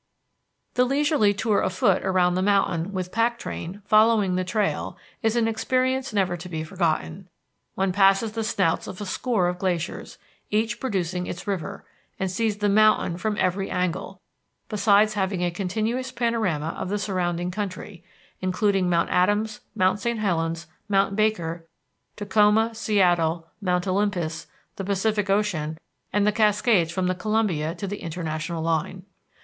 The leisurely tour afoot around the mountain, with pack train following the trail, is an experience never to be forgotten. One passes the snouts of a score of glaciers, each producing its river, and sees the mountain from every angle, besides having a continuous panorama of the surrounding country, including Mount Adams, Mount St. Helens, Mount Baker, Tacoma, Seattle, Mount Olympus, the Pacific Ocean, and the Cascades from the Columbia to the international line.